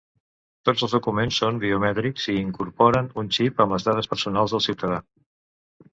Tots els documents són biomètrics i incorporen un xip amb les dades personals del ciutadà.